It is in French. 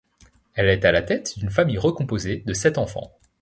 Elle est à la tête d'une famille recomposée de sept enfants.